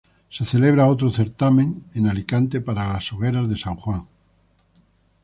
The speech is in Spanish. Se celebra otro certamen en Alicante para las Hogueras de San Juan.